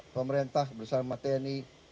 pemerintah bersama tni